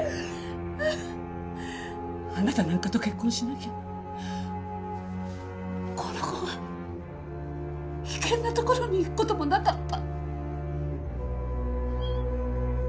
あなたなんかと結婚しなきゃこの子が危険な所に行く事もなかった。